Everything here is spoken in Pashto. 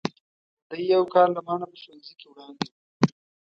دی یو کال له ما نه په ښوونځي کې وړاندې و.